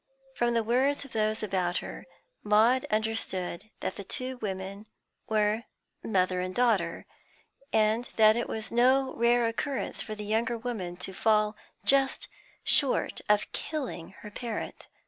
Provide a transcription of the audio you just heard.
From the words of those about her, Maud understood that the two women were mother and daughter, and that it was no rare occurrence for the younger woman to fall just short of killing her parent.